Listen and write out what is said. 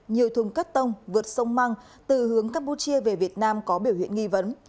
nhiều thùng cắt tông vượt sông măng từ hướng campuchia về việt nam có biểu hiện nghi vấn